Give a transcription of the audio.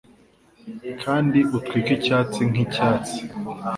Kandi utwike icyatsi nk'icyatsi.